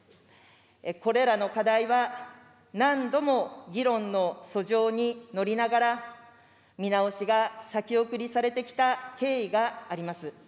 これらの課題は、何度も議論のそ上に載りながら、見直しが先送りされてきた経緯があります。